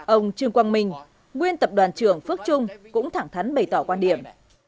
ông trương quang minh nguyên tập đoàn trưởng phước trung cũng thẳng thắn bày tỏ quan điểm